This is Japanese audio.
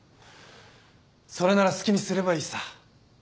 それなら好きにすればいいさ。